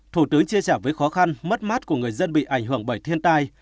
thủ tướng chia sẻ với khó khăn mất mát của người dân bị ảnh hưởng bởi thiên tai